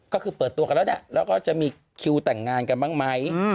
ก็คือเปิดตัวกันแล้วเนี่ยแล้วก็จะมีคิวแต่งงานกันบ้างไหม